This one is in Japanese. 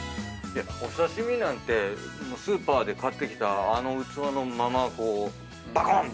お刺し身なんてスーパーで買ってきたあの器のままこうバコン